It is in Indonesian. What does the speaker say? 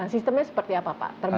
sistemnya seperti apa pak terbuka atau